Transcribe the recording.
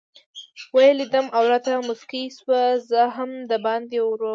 ویې لیدم او راته مسکۍ شوه، زه هم دباندې ورووتم.